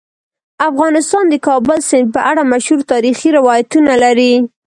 افغانستان د کابل سیند په اړه مشهور تاریخی روایتونه لري.